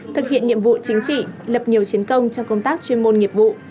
thực hiện nhiệm vụ chính trị lập nhiều chiến công trong công tác chuyên môn nghiệp vụ